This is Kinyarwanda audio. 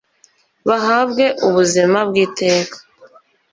bahabwe ubuzima bw iteka